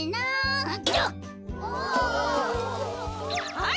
はい。